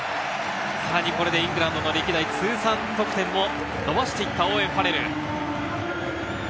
さらにこれでイングランドの通算得点を伸ばしてきたオーウェン・ファレル。